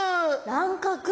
乱獲？